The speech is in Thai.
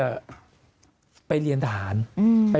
มันเป็นอาหารของพระราชา